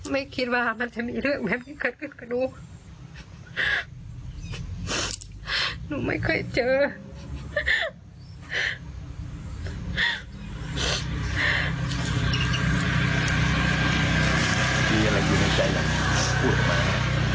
มีอะไรอยู่ในใจหรือพูดทำไม